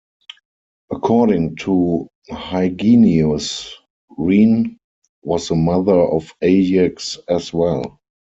According to Hyginus, Rhene was the mother of Ajax as well.